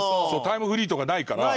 タイムフリーとかないから。